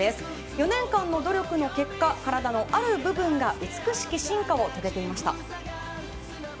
４年間の努力の結果体のある部分が美しき進化を遂げていました。